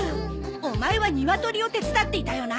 オマエはニワトリを手伝っていたよな？